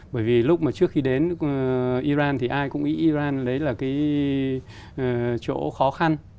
bởi vì lúc mà trước khi đến iran thì ai cũng nghĩ iran đấy là cái chỗ khó khăn